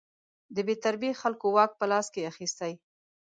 د بې تربیې خلکو واک په لاس کې اخیستی.